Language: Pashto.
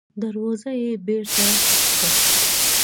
دروازه يې بېرته کړه.